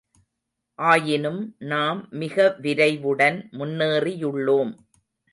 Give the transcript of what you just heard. ஆயினும், நாம் மிக விரைவுடன் முன்னேறியுள்ளோம்.